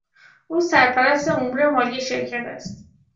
او سرپرست امور مالی شرکت است.